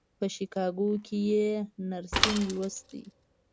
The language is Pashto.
په شیکاګو کې یې نرسنګ لوستی.